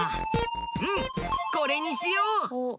うんこれにしよう！